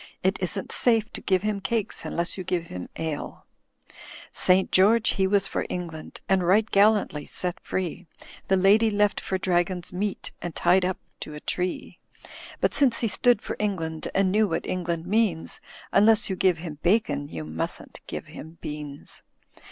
It isn't safe to give him cakes Unless you give him ale. St. George he was for England, And right gallantly set free The lady left for dragon's meat And tied up to a tree; Pr^r^rrT^ Digitized by V^OOg IC i86 THE FLYING INN But since he stood for England And knew what England means, Unless you give him bacon, You mustn't give him beans.